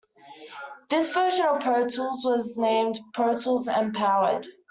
This version of Pro Tools was named Pro Tools M-Powered.